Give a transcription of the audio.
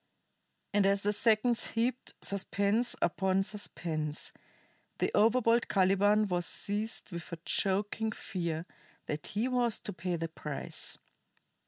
And as the seconds heaped suspense upon suspense, the overbold Caliban was seized with a choking fear that he was to pay the price.